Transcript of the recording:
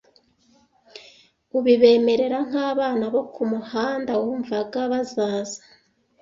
Ubibemerera nk’abana bo ku muhanda wumvaga bazaza